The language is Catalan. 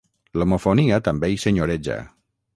L'homofonia també hi senyoreja.